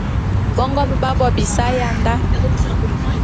Bongo mbe b'á bo bisae ya ndá.